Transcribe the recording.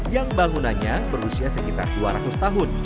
yang bangunannya berusia sekitar dua ratus tahun